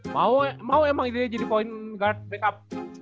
mau emang dia jadi point guard backup